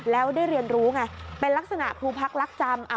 แล้วได้เรียนรู้ไงเป็นลักษณะภูพักลักจำ